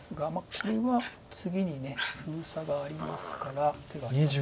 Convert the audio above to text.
これは次に封鎖がありますから手がありません。